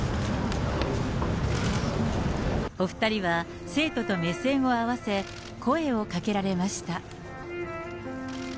お２人は生徒と目線を合わせ、声をかけられました。